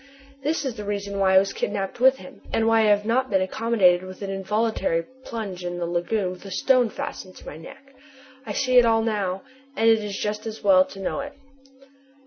This is the reason why I was kidnapped with him, and why I have not been accommodated with an involuntary plunge in the lagoon with a stone fastened to my neck. I see it all now, and it is just as well to know it.